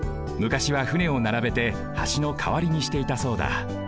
むかしは船をならべて橋のかわりにしていたそうだ。